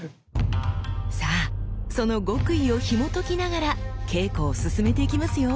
さあその極意をひもときながら稽古を進めていきますよ！